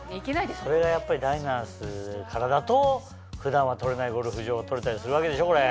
それがやっぱダイナースからだと普段は取れないゴルフ場取れたりするわけでしょこれ。